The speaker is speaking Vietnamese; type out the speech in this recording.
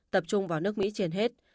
tập trung vào nước mỹ trên hết